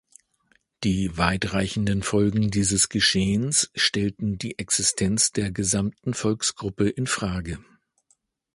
Die weitreichenden Folgen dieses Geschehens stellten die Existenz der gesamten Volksgruppe in Frage.